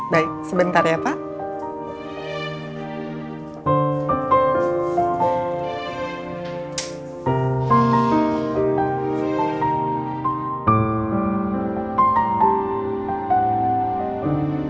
baik sebentar ya pak